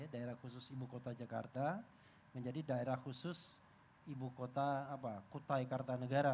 daerah khusus ibu kota jakarta menjadi daerah khusus ibu kota kutai kartanegara